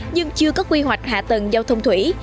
nhưng chưa có quy hoạch hạ tầng giao thông thủy